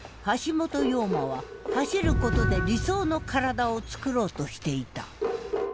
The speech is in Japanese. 陽馬は走ることで理想の身体をつくろうとしていた。